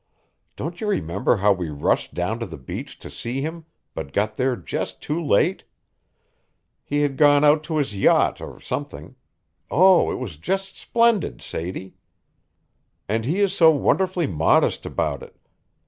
Don't you remember how we rushed down to the beach to see him, but got there just too late? He had gone out to his yacht or something. Oh, it was just splendid, Sadie. And he is so wonderfully modest about it.